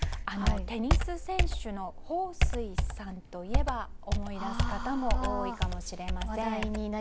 テニス選手のホウ・スイさんといえば思い出す方も多いかもしれません。